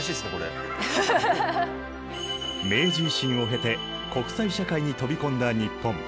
明治維新を経て国際社会に飛び込んだ日本。